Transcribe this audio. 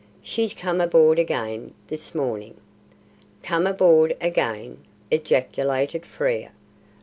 "She's come aboard again this morning." "Come aboard again!" ejaculated Frere.